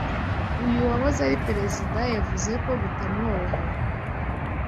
uyu wahoze ari perezida yavuze ko bitamworoheye